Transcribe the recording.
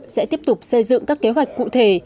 sẽ tiếp tục xây dựng các kế hoạch cụ thể